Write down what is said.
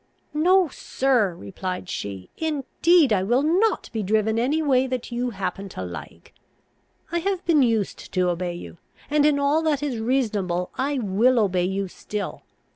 "No, sir," replied she, "indeed I will not be driven any way that you happen to like. I have been used to obey you, and, in all that is reasonable, I will obey you still.